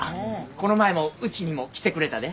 この前もうちにも来てくれたで。